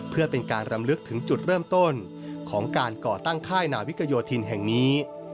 เพื่อเป็นการรำลึกถึงจุดเริ่มต้นของการก่อตั้งค่ายนาวิกโยธินแห่งนี้